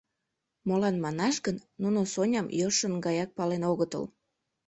Молан манаш гын, нуно Соням йӧршын гаяк пален огытыл.